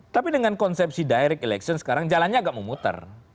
tapi dengan konsepsi direct election sekarang jalannya agak memutar